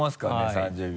３０秒。